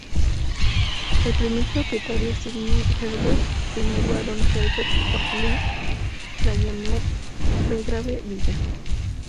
El primer propietario, Sidney Herbert, primer barón Herbert of Lea, la llamó "Belgrave Villa".